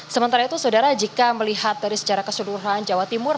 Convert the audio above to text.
sementara itu saudara jika melihat dari secara keseluruhan jawa timur